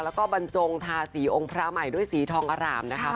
แล้วก็บรรจงทาสีองค์พระใหม่ด้วยสีทองอร่ามนะคะ